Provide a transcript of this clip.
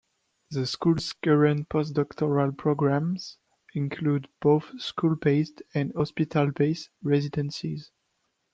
The school's current post-doctoral programs include both school-based and hospital based residencies.